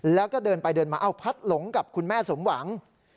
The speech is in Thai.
แล้วก็เดินไปเดินมาเอ้าพัดหลงกับคุณแม่สมหวัง